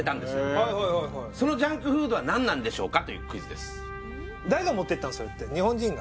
へえっそのジャンクフードは何なんでしょうかというクイズです日本人が？